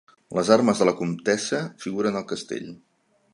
Les armes de la comtessa figuren al castell.